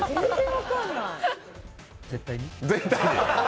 絶対に？